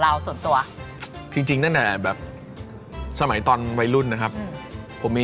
เพื่อนจ้องเป็นอาจารย์